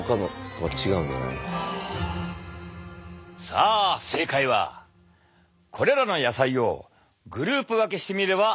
さあ正解はこれらの野菜をグループ分けしてみれば分かる。